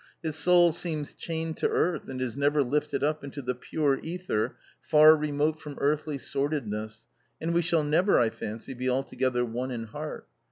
His soul seems chained to earth and is never lifted up into the pure ether far remote from earthly sordidness, and we shall never, I fancy, be altogether one in heart.